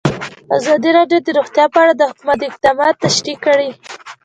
ازادي راډیو د روغتیا په اړه د حکومت اقدامات تشریح کړي.